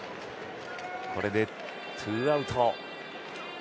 これで２アウト。